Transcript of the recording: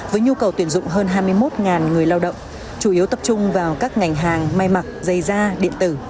với nhu cầu tuyển dụng hơn hai mươi một người lao động chủ yếu tập trung vào các ngành hàng may mặc dây da điện tử